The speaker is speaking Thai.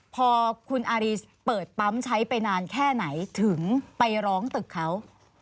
พอคุณอารีสเปิดปั๊มใช้ไปนานแค่ไหนถึงไปร้องตึกเขา